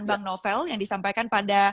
bang novel yang disampaikan pada